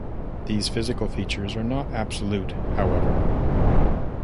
These physical features are not absolute however.